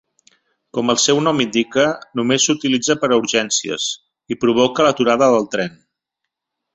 Com el seu nom indica, només s'utilitza per a urgències i provoca l'aturada del tren.